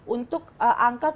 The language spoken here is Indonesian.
untuk angka tujuh puluh